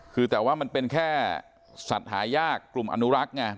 คือแต่ว่ามันเป็นแค่สัตว์หายากกลุ่มอนุรักษ์ไง